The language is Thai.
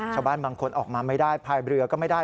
ชาวบ้านบางคนออกมาไม่ได้ภายเรือก็ไม่ได้